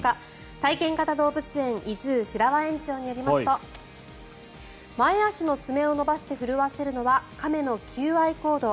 体験型動物園ｉＺｏｏ白輪園長によりますと前足の爪を伸ばして震わせるのは亀の求愛行動。